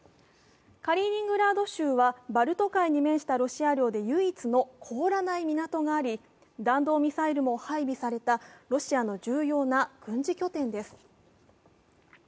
カリーニングラード州はバルト海に面したロシア領で唯一の凍らない港があり弾道ミサイルも配備されたロシアの重要な軍事拠点です。